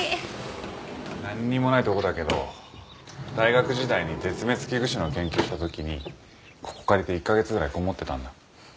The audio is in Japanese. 何にもないとこだけど大学時代に絶滅危惧種の研究したときにここ借りて１カ月ぐらいこもってたんだ。